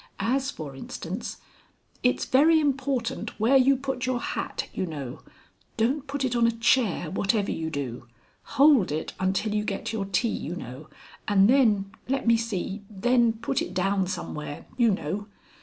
As for instance: "It's very important where you put your hat, you know. Don't put it on a chair, whatever you do. Hold it until you get your tea, you know, and then let me see then put it down somewhere, you know."